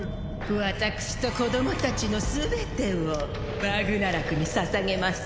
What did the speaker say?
私と子供たちの全てをバグナラクに捧げます。